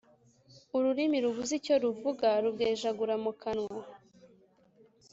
Ururimi rubuze icyo ruvuga rubwejagura mu kanwa.